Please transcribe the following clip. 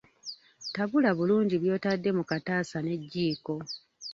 Tabula bulungi byotadde mu kataasa n'ekijiiko.